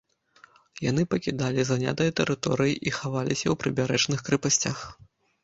Яны пакідалі занятыя тэрыторыі і хаваліся ў прыбярэжных крэпасцях.